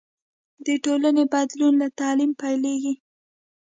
د ټولنې بدلون له تعلیم پیلېږي.